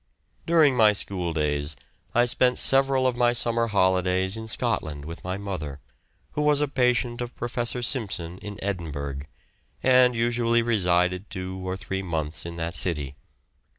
During my school days I spent several of my summer holidays in Scotland with my mother, who was a patient of Professor Simpson in Edinburgh, and usually resided two or three months in that city.